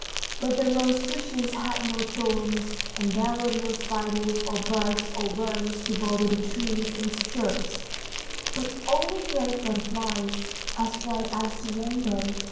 But the rose bushes had no thorns, and there were no spiders or bugs or worms to bother the trees and shrubs, but only great butterflies as bright as the rainbow.